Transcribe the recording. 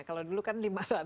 kalau dulu kan lima ratus